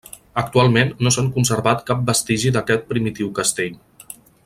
Actualment no s'han conservat cap vestigi d'aquest primitiu castell.